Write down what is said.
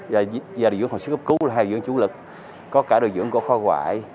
và điều dưỡng phòng sức ấp cứu điều dưỡng chủ lực có cả điều dưỡng của khoa ngoại